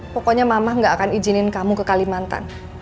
pokoknya mama gak akan izinin kamu ke kalimantan